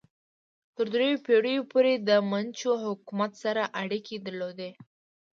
تر دریو پیړیو پورې د منچو حکومت سره اړیکې درلودې.